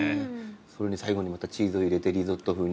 それに最後にまたチーズを入れてリゾット風にして。